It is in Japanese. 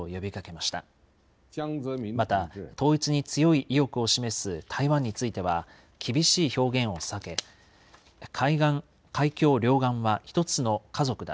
また統一に強い意欲を示す台湾については、厳しい表現を避け、海峡両岸は１つの家族だ。